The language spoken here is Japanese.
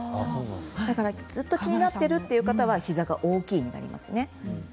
ずっと気になっている方は膝が大きいになります。